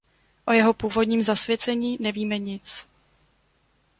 O jeho původním zasvěcení nevíme nic.